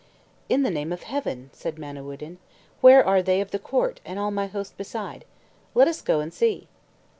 "In the name of Heaven," said Manawyddan, "where are they of the court, and all my host beside? Let us go and see."